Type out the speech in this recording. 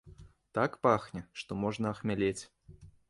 Так пахне, што можна ахмялець.